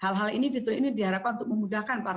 hal hal ini justru ini diharapkan untuk memudahkan para